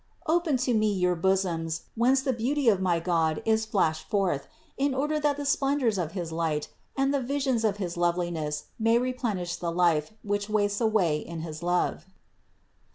Open to me your bosoms, whence the beauty of my God is flashed forth, in order that the splendors of his light and the visions of his loveliness may replenish the life, which wastes away in his love."